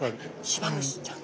シバンムシちゃん。